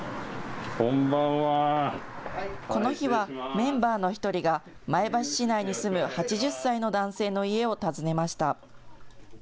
メンバーの一人が、前橋市内に住む８０歳の男性の家を訪ねました。